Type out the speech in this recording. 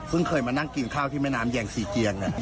เพิ่งเคยมานั่งกินข้าวที่แม่น้ำแย่งสี่เกียงเนี่ย